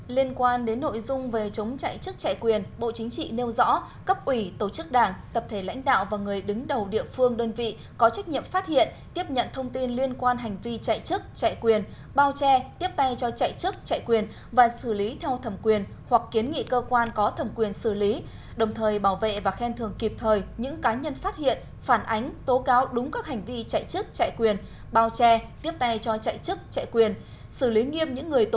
liên quan đến nội dung về chống chạy chức chạy quyền bộ chính trị nêu rõ cấp ủy tổ chức đảng tập thể lãnh đạo và người đứng đầu địa phương đơn vị có trách nhiệm phát hiện tiếp nhận thông tin liên quan hành vi chạy chức chạy quyền bao che tiếp tay cho chạy chức chạy quyền và xử lý theo thẩm quyền hoặc kiến nghị cơ quan có thẩm quyền xử lý đồng thời bảo vệ và khen thường kịp thời những cá nhân phát hiện phản ánh tố cáo đúng các hành vi chạy chức chạy quyền bao che tiếp tay cho chạy chức chạy quyền xử lý nghiêm